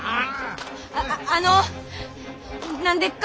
あああの何でっか？